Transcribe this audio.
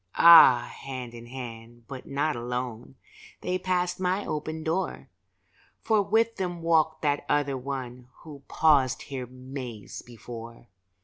Ah, hand in hand, but not alone, They passed my open door, For with them walked that other one Who paused here Mays before.